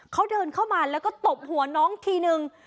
เขาเดินเข้ามาแล้วก็ตบหัวน้องทีนึง